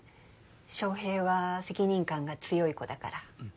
翔平は責任感が強い子だから。